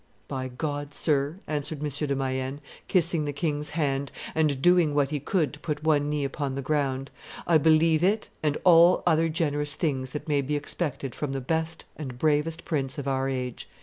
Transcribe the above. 'By God, sir,' answered M. de Mayenne, kissing the king's hand and doing what he could to put one knee upon the ground, 'I believe it and all other generous things that may be expected from the best and bravest prince of our age.